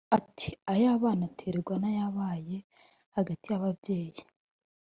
Ati “Ay’abana aterwa n’ayabaye hagati y’ababyeyi